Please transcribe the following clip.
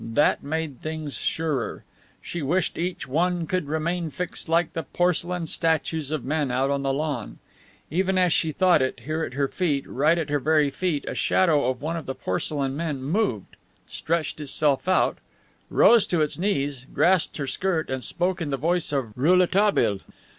That made things surer. She wished each one could remain fixed like the porcelain statues of men out on the lawn. Even as she thought it, here at her feet, right at her very feet, a shadow of one of the porcelain men moved, stretched itself out, rose to its knees, grasped her skirt and spoke in the voice of Rouletabille.